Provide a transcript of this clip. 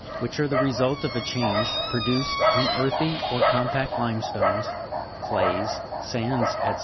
which are the result of a change produced in earthy or compact limestones, clays, sands, &c.